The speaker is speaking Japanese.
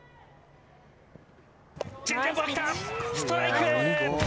ストライク。